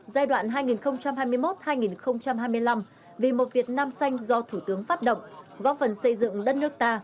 giai đoạn hai nghìn hai mươi một hai nghìn hai mươi năm vì một việt nam xanh do thủ tướng phát động góp phần xây dựng đất nước ta